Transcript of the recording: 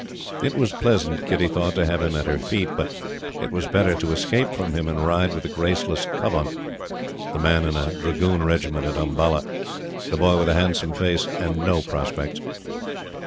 It was pleasant, Kitty thought, to have him at her feet, but it was better to escape from him and ride with the graceless Cubbon the man in a Dragoon Regiment at Umballa the boy with a handsome face, and no prospects.